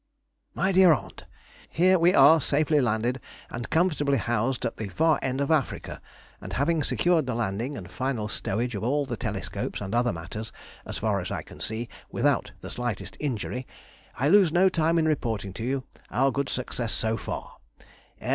MY DEAR AUNT,— Here we are safely landed and comfortably housed at the far end of Africa, and having secured the landing and final stowage of all the telescopes and other matters, as far as I can see, without the slightest injury, I lose no time in reporting to you our good success so far. M.